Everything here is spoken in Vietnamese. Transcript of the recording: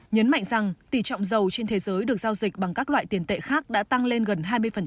nhấn mạnh rằng tỷ trọng dầu trên thế giới được giao dịch bằng các loại tiền tệ khác đã tăng lên gần hai mươi